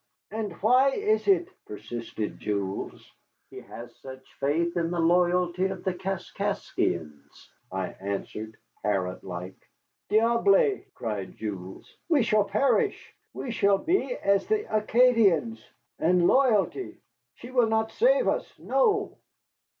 "And why is it?" persisted Jules. "He has such faith in the loyalty of the Kaskaskians," I answered, parrot like. "Diable!" cried Jules, "we shall perish. We shall be as the Acadians. And loyalty she will not save us, no."